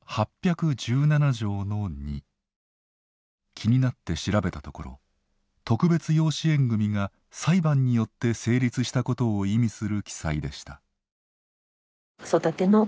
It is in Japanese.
気になって調べたところ「特別養子縁組」が裁判によって成立したことを意味する記載でした。